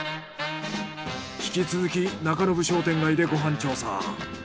引き続き中延商店街でご飯調査。